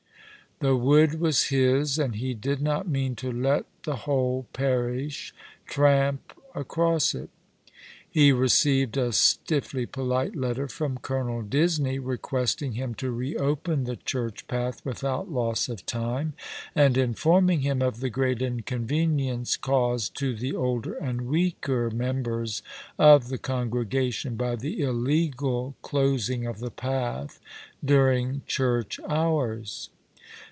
The wood was his, and he did not mean to let the whole parish tramp across it. He received a stiffly polite letter from Colonel Disney, requesting him to re open the church path without loss of time, and informing him of the great inconvenience caused to the older and weaker members of the congregation by the illegal closing of the path during church hours.